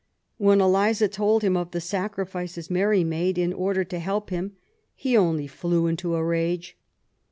When Eliza told him of the sacrifices Mary made in order to help him, he only flew into a rage.